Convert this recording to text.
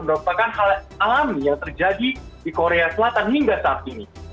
merupakan hal alami yang terjadi di korea selatan hingga saat ini